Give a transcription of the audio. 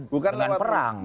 bukan dengan perang